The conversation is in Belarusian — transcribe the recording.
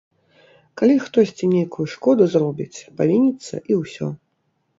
Калі хтосьці нейкую шкоду зробіць, павініцца, і ўсё.